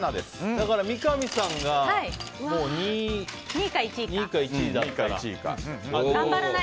だから三上さんが２か１かで。